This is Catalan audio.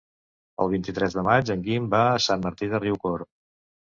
El vint-i-tres de maig en Guim va a Sant Martí de Riucorb.